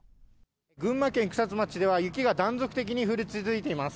群馬県草津町では、雪が断続的に降り続いています。